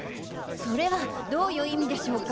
それはどういう意味でしょうか？